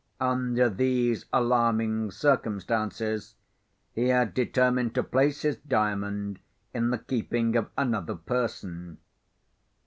Under these alarming circumstances, he had determined to place his Diamond in the keeping of another person.